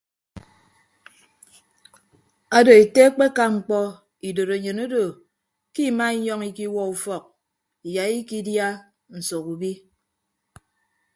Ado ete akpeka mkpọ idorenyin odo ke ima inyọñ ikiwuọ ufọk iya ikịdia nsọk ubi.